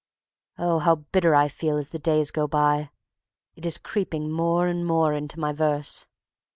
Oh, how bitter I feel as the days go by! It is creeping more and more into my verse.